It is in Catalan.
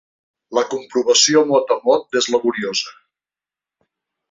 La comprovació mot a mot és laboriosa.